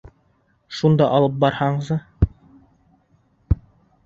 Шунда алып барһаңсы.